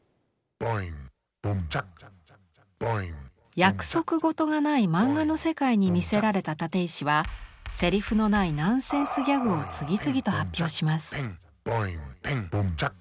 約束事がないマンガの世界に魅せられた立石はセリフのないナンセンスギャグを次々と発表します。